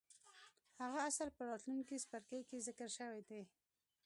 هغه اصل په راتلونکي څپرکي کې ذکر شوی دی.